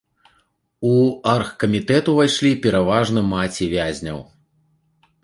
У аргкамітэт увайшлі пераважна маці вязняў.